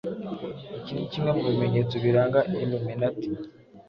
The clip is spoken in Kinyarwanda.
Iki ni kimwe mu bimenyetso biranga Illuminati